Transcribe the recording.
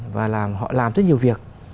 và họ làm rất nhiều việc